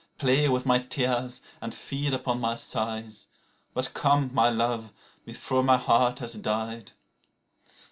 Play with my tears and feed upon my sighs, But come, my love, before my heart has died.